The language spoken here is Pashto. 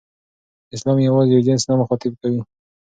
اسلام یوازې یو جنس نه مخاطب کوي.